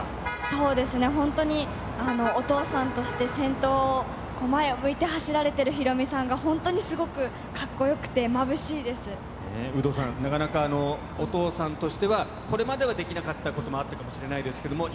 そうですね、本当にお父さんとして先頭を、前を向いて走られているヒロミさんが本当にすごくかっこよくて、有働さん、なかなかお父さんとしては、これまではできなかったこともあったかもしれないです